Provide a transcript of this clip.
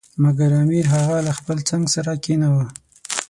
مګر امیر هغه له خپل څنګ سره کښېناوه.